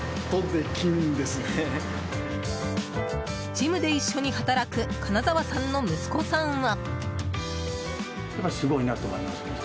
ジムで一緒に働く金澤さんの息子さんは。